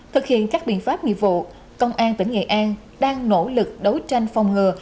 thực hiện các biện pháp mị vụ công an tỉnh nghệ an đang nỗ lực đấu tranh phong ngừa